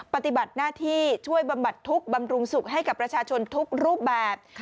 ปฏิบัติหน้าที่ช่วยบำบัดทุกข์บำรุงสุขให้กับประชาชนทุกรูปแบบ